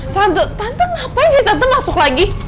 tante ngapain sih tante masuk lagi